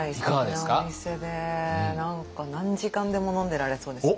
すてきなお店で何か何時間でも飲んでられそうですね。